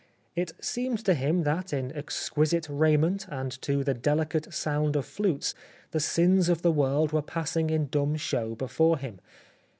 It seemed to him that, in exquisite raiment, and to the dehcate sound of flutes, the sins of the world were passing in dumb show before him.